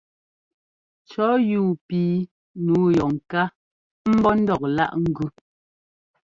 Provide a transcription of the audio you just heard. Cɔ̌ yúu píi nǔu yɔ ŋká ḿbɔ́ ńdɔk láꞌ ŋ́gʉ.